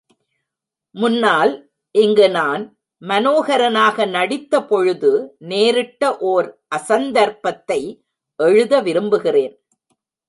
முன்னால் இங்கு நான் மனோஹரனாக நடித்த பொழுது நேரிட்ட ஓர் அசந்தர்ப்பத்தை எழுத விரும்புகிறேன்.